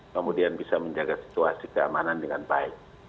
kemudian bisa menjaga situasi keamanan dengan baik